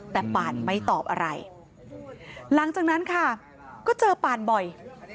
แต่ปานไม่ตอบอะไรหลังจากนั้นค่ะก็เจอปานบ่อย